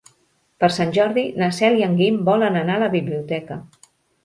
Per Sant Jordi na Cel i en Guim volen anar a la biblioteca.